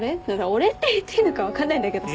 お礼って言っていいのか分かんないんだけどさ。